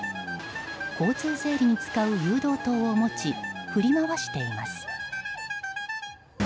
交通整理に使う誘導灯を持ち振り回しています。